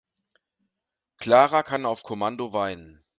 Clara kann auf Kommando weinen.